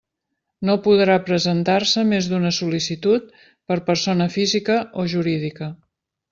No podrà presentar-se més d'una sol·licitud per persona física o jurídica.